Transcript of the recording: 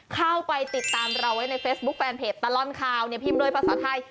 เข้าไปติดตามเราไว้ในเฟซบุ๊คแฟนเพจตลอดข่าวเนี่ยพิมพ์โดยภาษาไทย